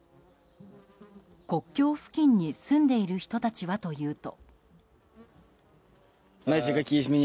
国境付近に住んでいる人たちはというと。